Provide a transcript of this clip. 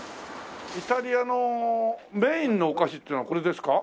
イタリアのメインのお菓子っていうのはこれですか？